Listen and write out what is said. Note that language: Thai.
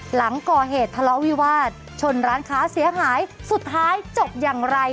หลังก่อเหตุทะเลาะวิวาสชนร้านค้าเสียหายสุดท้ายจบอย่างไร